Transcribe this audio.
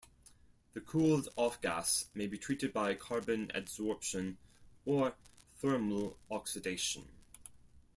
The cooled offgas may be treated by carbon adsorption, or thermal oxidation.